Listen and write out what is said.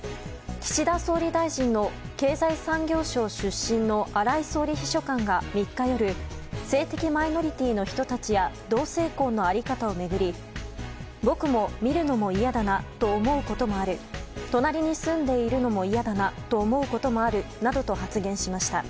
岸田総理大臣の経済産業省出身の荒井総理秘書官が、３日夜性的マイノリティーの人たちや同性婚の在り方を巡り僕も見るのも嫌だなと思うこともある隣に住んでいるのも嫌だなと思うこともある、などと発言しました。